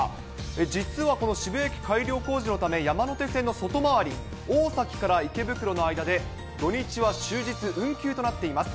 実はこの渋谷駅改良工事のため、山手線の外回り、大崎から池袋の間で、土日は終日運休となっています。